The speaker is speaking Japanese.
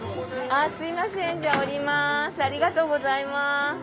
ありがとうございます。